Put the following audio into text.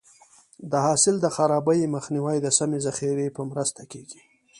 د حاصل د خرابي مخنیوی د سمې ذخیرې په مرسته کېږي.